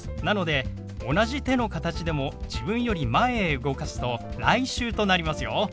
なので同じ手の形でも自分より前へ動かすと「来週」となりますよ。